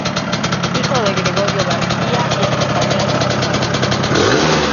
Hijo de Gregorio García y Estefanía Sabugal.